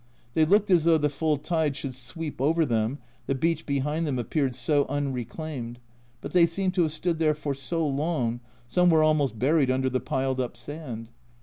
They looked as though the full tide should sweep over them, the beach behind them appeared so unreclaimed, but they seem to have stood there for long, some were almost buried under the piled up sand.